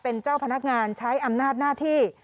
เป็นเจ้าพนักงานใช้อำนาจหน้าที่